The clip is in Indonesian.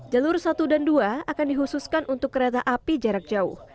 jalur satu dan dua akan dihususkan untuk kereta api jarak jauh